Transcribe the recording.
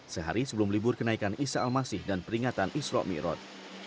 sehari sebelum libur kenaikan isa almasih dan peringatan isro mikrot